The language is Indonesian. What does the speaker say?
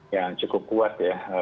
yang cukup kuat ya